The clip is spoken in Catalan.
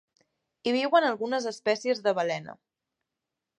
Hi viuen algunes espècies de balena.